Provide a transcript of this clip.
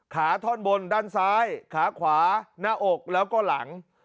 ท่อนบนด้านซ้ายขาขวาหน้าอกแล้วก็หลัง